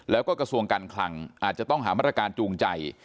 แล้วก็กระทรวงการคลังอาจจะต้องหามาตรการจูงใจ